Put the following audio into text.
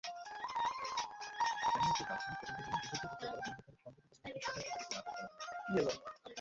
ডেনমার্কের রাজধানী কোপেনহেগেনে দুজনকে হত্যা করা বন্দুকধারীর সন্দেহভাজন দুই সহায়তাকারীকে আটক করা হয়েছে।